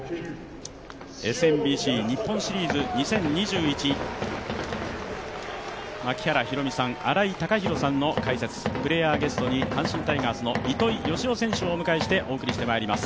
ＳＭＢＣ日本シリーズ２０２１、槙原寛己さん、新井貴浩さんの解説、プレーヤーゲストに阪神タイガースの糸井嘉男さんをお迎えしてお送りしてまいります。